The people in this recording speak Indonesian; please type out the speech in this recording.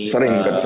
sering kerja bareng